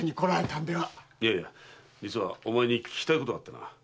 いや実はお前に聞きたいことがあってな。